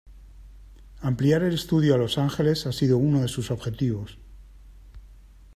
Ampliar el estudio a Los Ángeles ha sido uno de sus objetivos.